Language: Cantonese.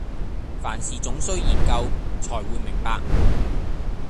凡事總須研究，纔會明白。